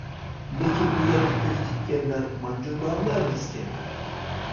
لېكىن بۇ يەرگە كۆز تىككەنلەر مانجۇلارلا ئەمەسكەن.